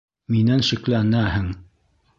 Минән шикләнәһең.